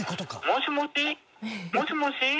「もしもし？もしもし？」